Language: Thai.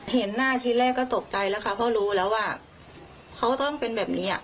เห็นหน้าทีแรกก็ตกใจแล้วค่ะเพราะรู้แล้วว่าเขาก็ต้องเป็นแบบนี้